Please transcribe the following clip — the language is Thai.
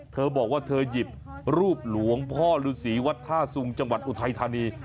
เธอบอกว่าเธอหยิบรูปหลวงพ่อฤษีวัดท่าสุงจังหวัดอุทัยธานี